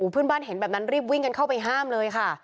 เพื่อนบ้านเห็นแบบนั้นรีบวิ่งกันเข้าไปห้ามเลยค่ะ